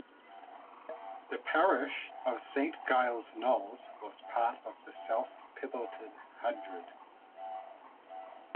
The parish of Saint Giles Knowles was part of the South Petherton Hundred.